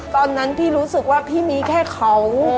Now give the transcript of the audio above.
ตอนนั้นพี่รู้สึกว่าพี่มีแค่เขา